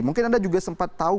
mungkin anda juga sempat tahu